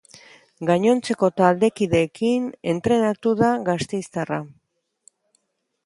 Gainontzeko taldekideekin entrenatu da gasteiztarra.